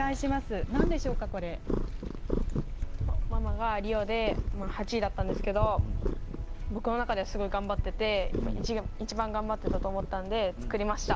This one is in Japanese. ママがリオで８位だったんですけど僕の中ではすごい頑張ってて一番頑張ってたと思ったので作りました。